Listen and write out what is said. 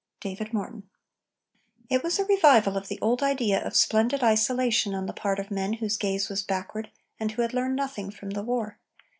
DAVID MORTON. It was a revival of the old idea of "splendid isolation" on the part of men whose gaze was backward and who had learned nothing from the war.